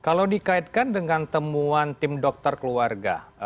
kalau dikaitkan dengan temuan tim dokter keluarga